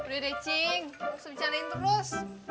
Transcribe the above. udah deh cing langsung bicarain terus